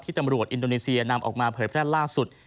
ตำรวจอินโดนีเซียนำออกมาเผยแพร่ล่าสุด